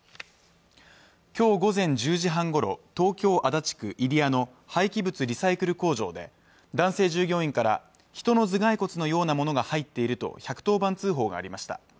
今日午前１０時半ごろ、東京・足立区入谷の廃棄物リサイクル工場で男性従業員から、人の頭蓋骨のようなものが入っていると１１０番通報がありました。